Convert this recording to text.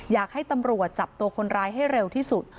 อยากให้ตำรวจจับตัวคนร้ายให้เร็วที่สุด